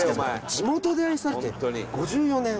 「地元で愛されて５４年！